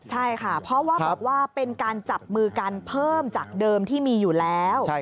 ใช่ค่ะเพราะว่าบอกว่าเป็นการจับมือกันเพิ่มจากเดิมที่มีอยู่แล้ว